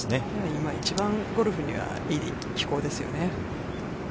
今、一番ゴルフにはいい気候ですよね。